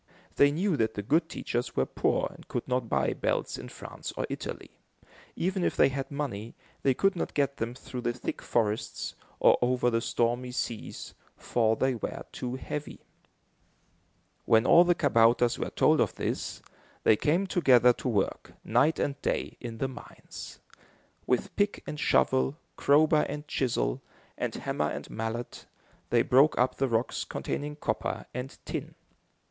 They knew that the good teachers were poor and could not buy bells in France or Italy. Even if they had money, they could not get them through the thick forests, or over the stormy seas, for they were too heavy. When all the kabouters were told of this, they came together to work, night and day, in the mines. With pick and shovel, crowbar and chisel, and hammer and mallet, they broke up the rocks containing copper and tin.